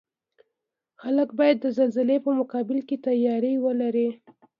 خلک باید د زلزلې په مقابل کې تیاری ولري